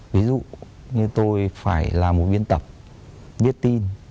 ví dụ như tôi phải làm một biên tập biết tin